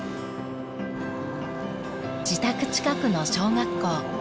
自宅近くの小学校。